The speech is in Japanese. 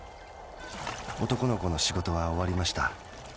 男の子の仕事はおわりました。